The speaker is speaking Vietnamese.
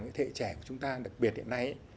những người trẻ của chúng ta đặc biệt hiện nay